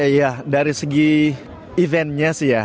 iya dari segi eventnya sih ya